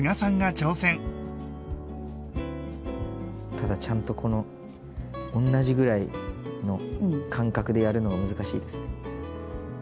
ただちゃんとこの同じぐらいの間隔でやるのが難しいです。